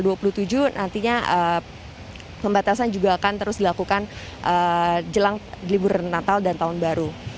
nantinya pembatasan juga akan terus dilakukan jelang libur natal dan tahun baru